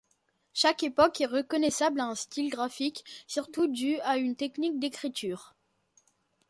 Chaque époque est reconnaissable à un style graphique, surtout dû à une technique d'écriture.